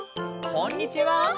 こんにちは！